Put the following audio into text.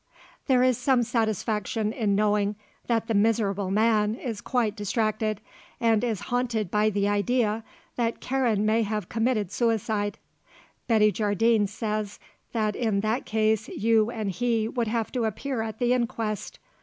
There is some satisfaction in knowing that the miserable man is quite distracted and is haunted by the idea that Karen may have committed suicide. Betty Jardine says that in that case you and he would have to appear at the inquest.